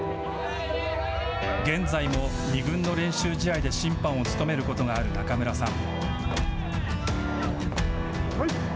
現在も２軍の練習試合で審判を務めることがある中村さん。